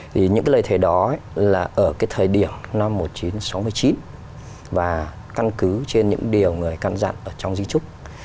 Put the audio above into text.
thì những cái lời thề đó là ở cái thời điểm năm một nghìn chín trăm sáu mươi chín và căn cứ trên những điều người căn dặn ở trong di trúc